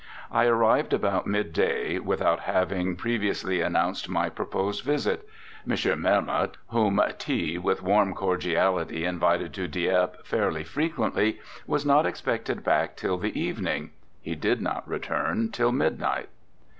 I arrived about midday without having previously announced my proposed visit. M. Melmoth, whom T with warm cordiality invited to Dieppe fairly frequently, was not expected back till the evening. He did not return till midnight.